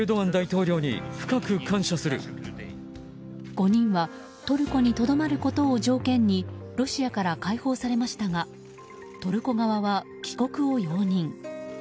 ５人はトルコにとどまることを条件にロシアから解放されましたがトルコ側は帰国を容認。